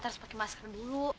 harus pakai masker dulu